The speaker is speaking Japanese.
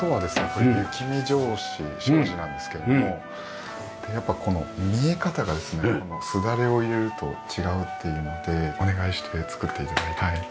これ雪見障子障子なんですけれどもやっぱこの見え方がですねすだれを入れると違うっていうのでお願いして作って頂いて。